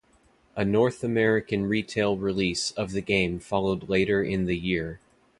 A North American retail release of the game followed later in the year.